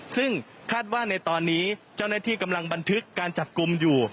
ซึ่งคาดว่าในตอนนี้เจ้าหน้าที่กำลังบันทึกการจับกลุ่มอยู่